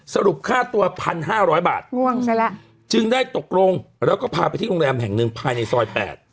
สรุปค่าตัว๑๕๐๐บาทง่วงซะแล้วจึงได้ตกลงแล้วก็พาไปที่โรงแรมแห่งหนึ่งภายในซอย๘